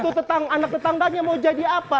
atau anak tetangganya mau jadi apa